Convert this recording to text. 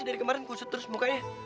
dari kemarin kusut terus mukanya